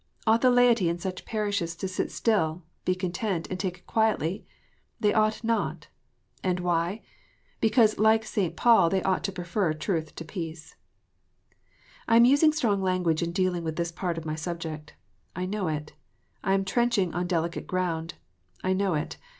Ought the laity in such parishes to sit still, be content, and take it quietly? They ought not. And why? Because, like St. Paul, they ought to prefer truth to peace. I am using strong language in dealing with this part of my subject : I know it. I am trenching on delicate ground : I know it.